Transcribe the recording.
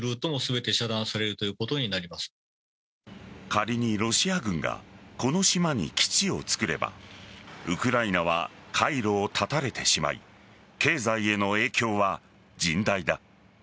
仮にロシア軍がこの島に基地を作ればウクライナは海路を断たれてしまい経済への影響は甚大だ。